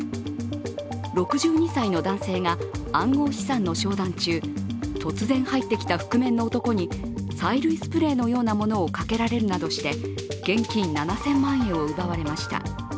６２歳の男性が暗号資産の商談中突然入ってきた覆面の男に催涙スプレーのようなものをかけられるなどして現金７０００万円を奪われました。